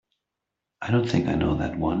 I don't think I know that one.